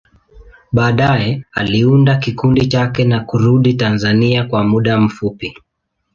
Baadaye, aliunda kikundi chake na kurudi Tanzania kwa muda mfupi.